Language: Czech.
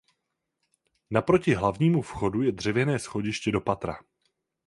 Naproti hlavnímu vchodu je dřevěné schodiště do patra.